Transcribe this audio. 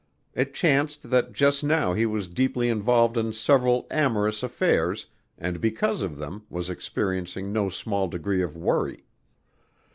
It chanced that just now he was deeply involved in several amorous affairs and because of them was experiencing no small degree of worry.